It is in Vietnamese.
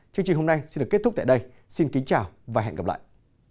chương trình hôm nay xin được kết thúc tại đây xin kính chào và hẹn gặp lại